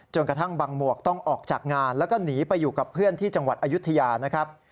กระทั่งบางหมวกต้องออกจากงานแล้วก็หนีไปอยู่กับเพื่อนที่จังหวัดอายุทยานะครับ